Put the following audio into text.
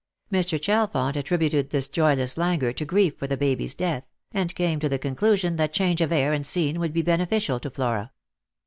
Mr. Chalfont attributed this joyless languor to grief for the baby's death, and came to the conclusion that change of air and scene would be beneficial to Flora.